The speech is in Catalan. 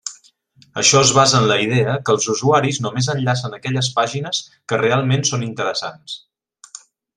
Això es basa en la idea que els usuaris només enllacen aquelles pàgines que realment són interessants.